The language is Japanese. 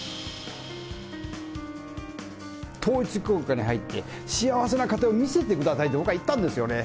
統一教会に入って、幸せな家庭を見せてくださいって僕は言ったんですよね。